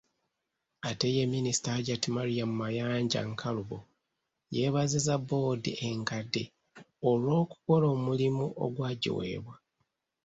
Ate ye Minisita Hajjati Mariam Mayanja Nkalubo yeebazizza boodi enkadde olw’okukola omulimu ogwagiweebwa.